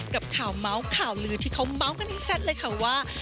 กับข่าวเหลือที่เค้าเมาส์กันที่ซัดเลยค่ะว่า